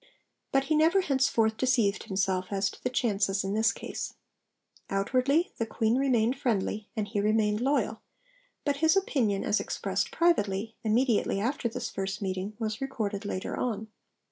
But he never henceforth deceived himself as to the chances in this case. Outwardly, the Queen remained friendly, and he remained loyal; but his opinion as expressed privately, immediately after this first meeting, was recorded later on.